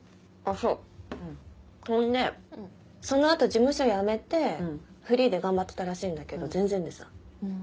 そんでその後事務所辞めてフリーで頑張ってたらしいんだけど全然でさ。